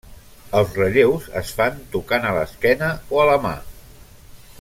Els relleus es fan tocant a l'esquena o a la mà.